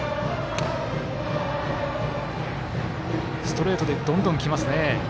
ストレートで、どんどんきますね。